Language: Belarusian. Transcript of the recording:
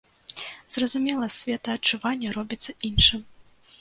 Зразумела, светаадчуванне робіцца іншым.